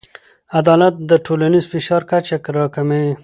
عدالت د ټولنیز فشار کچه راکموي.